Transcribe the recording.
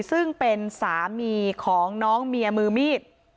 ซึ่งเป็นสามีของน้องเมียมือมีด